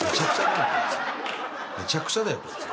めちゃくちゃだよこいつ。